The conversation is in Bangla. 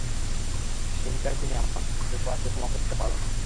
সেদিনকার দিনে আমার স্বামীর এই ব্যবহার কেউ ক্ষমা করতে পারলে না।